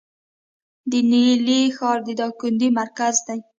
د نیلي ښار د دایکنډي مرکز دی